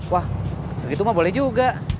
wah segitu mah boleh juga